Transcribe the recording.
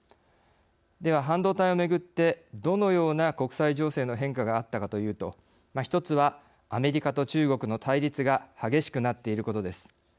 では半導体をめぐってどのような国際情勢の変化があったかというと一つはアメリカと中国の対立が激しくなっていることです。